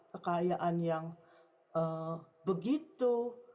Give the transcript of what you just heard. kekayaan yang begitu